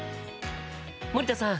森田さん